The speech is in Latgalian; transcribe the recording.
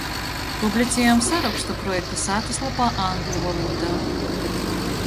Publiciejom sarokstu projekta sātyslopā angļu valodā.